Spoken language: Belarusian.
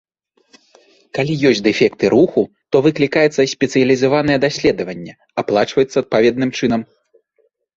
Калі ёсць дэфекты руху, то выклікаецца спецыялізаванае даследаванне, аплачваецца адпаведным чынам.